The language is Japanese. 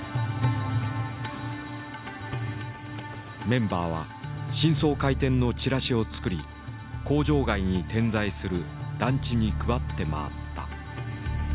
メンバーは新装開店のチラシを作り工場街に点在する団地に配って回った。